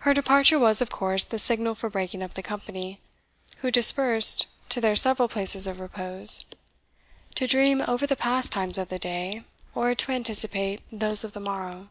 Her departure was, of course, the signal for breaking up the company, who dispersed to their several places of repose, to dream over the pastimes of the day, or to anticipate those of the morrow.